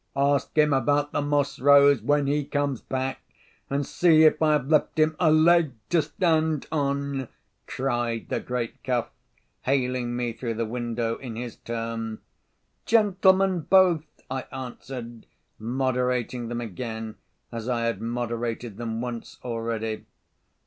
"Ask him about the moss rose, when he comes back, and see if I have left him a leg to stand on!" cried the great Cuff, hailing me through the window in his turn. "Gentlemen, both!" I answered, moderating them again as I had moderated them once already.